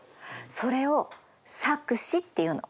それを錯視っていうの。